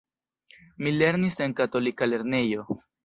Mi lernis en katolika lernejo.